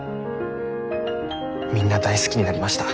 みんな大好きになりました。